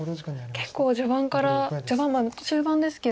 結構序盤からまだ中盤ですけど。